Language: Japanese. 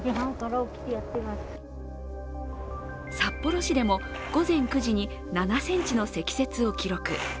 札幌市でも午前９時に７ｃｍの積雪を記録。